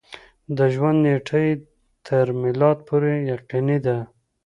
د ژوند نېټه یې تر میلاد پورې یقیني ده.